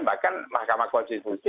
bahkan mahkamah konstitusi